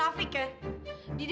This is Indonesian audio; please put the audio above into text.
tyalah duluan gitu